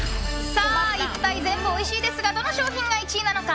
さあ一体、全部おいしいですがどの商品が１位なのか。